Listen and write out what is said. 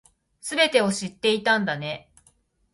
全てを知っていたんだね